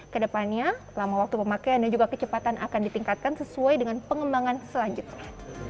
kedepannya lama waktu pemakaian dan juga kecepatan akan ditingkatkan sesuai dengan pengembangan selanjutnya